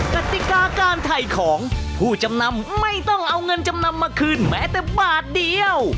กติกาการถ่ายของผู้จำนำไม่ต้องเอาเงินจำนำมาคืนแม้แต่บาทเดียว